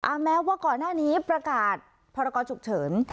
แม้ว่าก่อนหน้านี้ประกาศพรกรฉุกเฉิน